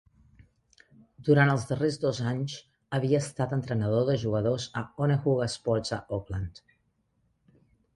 Durant els darrers dos anys havia estat entrenador de jugadors a Onehunga Sports a Auckland.